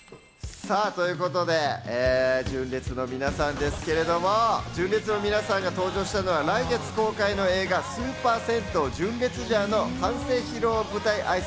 さぁ、ということで純烈の皆さんですけれども、純烈の皆さんが登場したのは来月公開の映画『スーパー戦闘純烈ジャー』の完成披露舞台挨拶